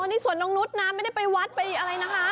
นี่สวนนกนุษย์นะไม่ได้ไปวัดไปอะไรนะคะ